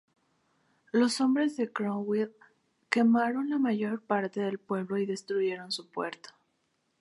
Los hombres de Cromwell quemaron la mayor parte del pueblo y destruyeron su puerto.